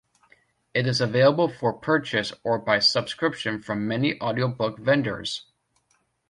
It is available for purchase or by subscription from many audio book vendors.